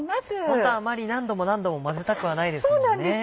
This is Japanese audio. ホントはあまり何度も何度も混ぜたくはないですよね。